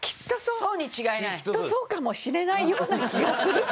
きっとそうかもしれないような気がする。